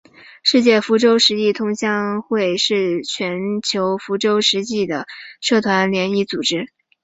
世界福州十邑同乡总会是全球福州十邑籍华人的国际性乡会社团联谊组织。